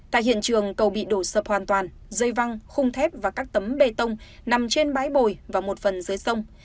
tại hiện trường cầu bị đổ sập hoàn toàn dây văng khung thép và các tấm bê tông nằm trên bãi bồi và một phần dưới sông